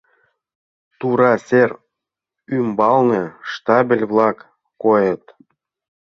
Тура сер ӱмбалне штабель-влак койыт.